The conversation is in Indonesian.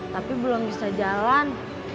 tapi belum bisa jalan